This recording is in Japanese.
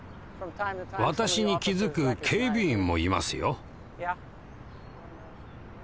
私に気付く警備員もいますよ。